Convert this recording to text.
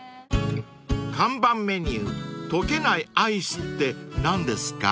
［看板メニュー溶けないアイスって何ですか？］